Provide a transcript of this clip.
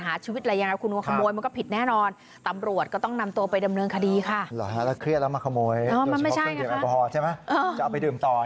ที่พักเราอยู่นำมาบ้านเขา